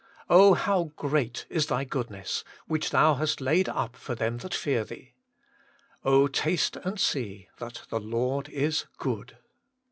* Oh how great is Thy goodness, which Thou hast laid up for them that fear Thee !'* Oh, taste and see that the Lord is good